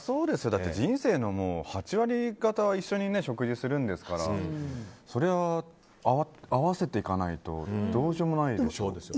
だって人生の８割がたは一緒に食事するんですからそれは合わせていかないとどうしようもないですよ。